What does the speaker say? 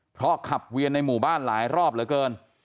เพราะขับเวียนในหมู่บ้านหลายรอบเหลือเกิน